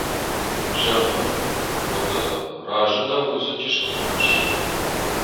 Зӕгъ мын, уӕдӕ, разы дӕ уыцы чысыл ӕххуысыл?